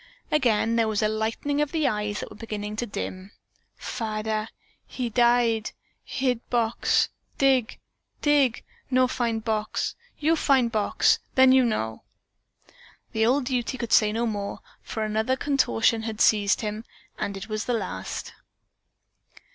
Again there was a lightening of the eyes that were beginning to dim. "Fadder he die hid box . Dig, dig, no find box. You find box, then you know " The old Ute could say no more, for another contortion had seized him and it was the last.